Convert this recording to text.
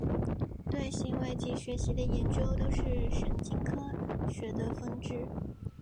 对行为及学习的研究都是神经科学的分支。